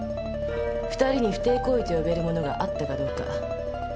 二人に不貞行為と呼べるものがあったかどうか。